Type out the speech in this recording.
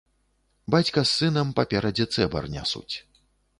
Бацька з сынам паперадзе цэбар нясуць.